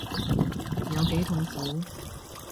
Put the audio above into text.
有幾痛苦